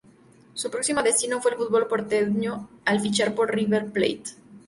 Su próximo destino fue el fútbol porteño, al fichar por River Plate.